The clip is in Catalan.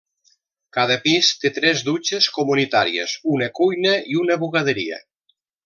Cada pis té tres dutxes comunitàries, una cuina i una bugaderia.